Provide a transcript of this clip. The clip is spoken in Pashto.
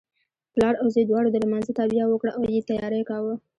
پلار او زوی دواړو د لمانځه تابیا وکړه او یې تیاری کاوه.